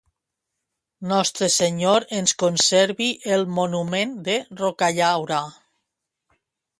Nostre Senyor ens conservi el monument de Rocallaura.